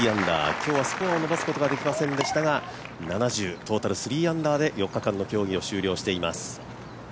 今日はスコアを伸ばすことができませんですが７０、トータル３アンダーで４日間のプレーを終了しています。